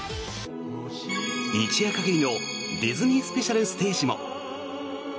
一夜限りのディズニースペシャルステージも。